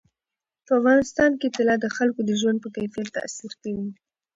په افغانستان کې طلا د خلکو د ژوند په کیفیت تاثیر کوي.